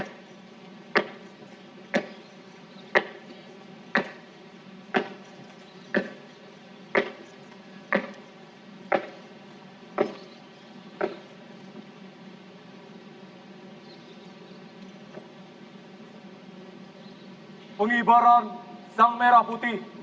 kembali ke tempat